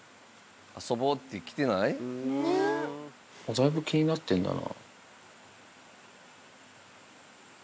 だいぶ気になってるんだな。